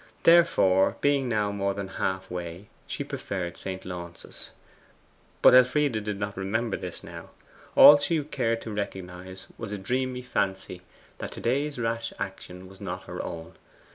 Therefore, being now more than half way, she preferred St. Launce's. But Elfride did not remember this now. All she cared to recognize was a dreamy fancy that to day's rash action was not her own.